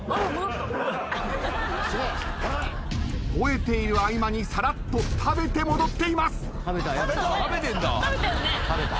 吠えている合間にさらっと食べて戻っています。